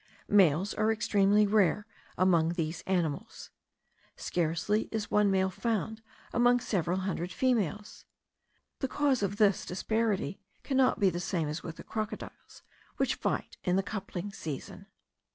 Males are extremely rare among these animals. Scarcely is one male found among several hundred females. The cause of this disparity cannot be the same as with the crocodiles, which fight in the coupling season.